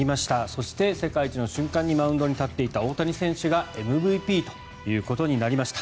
そして、世界一の瞬間にマウンドに立っていた大谷選手がＭＶＰとなりました。